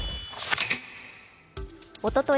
おととい